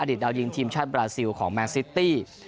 อดิษฐ์ดาวยิงทีมชาติบราซิลของแมนซ์ซิตตี้